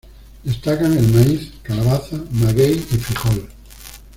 Destacan el maíz, calabaza, maguey y frijol.